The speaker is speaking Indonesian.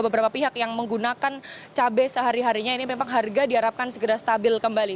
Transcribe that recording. beberapa pihak yang menggunakan cabai sehari harinya ini memang harga diharapkan segera stabil kembali